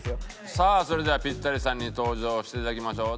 さあそれではピッタリさんに登場していただきましょう。